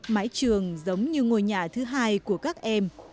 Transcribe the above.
mái trường giống như ngôi nhà thứ hai của các em